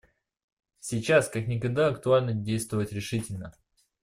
Сейчас как никогда актуально действовать решительно.